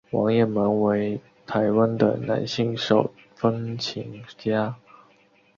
王雁盟为台湾的男性手风琴家。